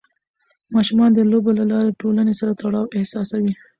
ماشومان د لوبو له لارې د ټولنې سره تړاو احساسوي.